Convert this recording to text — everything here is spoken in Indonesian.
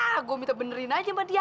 wah gue minta benerin aja sama dia